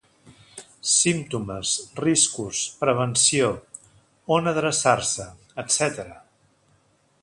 Símptomes, riscos, prevenció, on adreçar-se, etcètera.